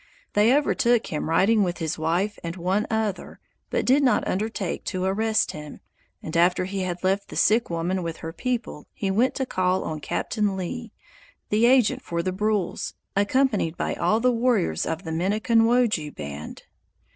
They overtook him riding with his wife and one other but did not undertake to arrest him, and after he had left the sick woman with her people he went to call on Captain Lea, the agent for the Brules, accompanied by all the warriors of the Minneconwoju band.